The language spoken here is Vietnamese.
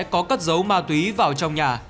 có cất dấu ma túy vào trong nhà